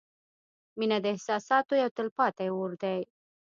• مینه د احساساتو یو تلپاتې اور دی.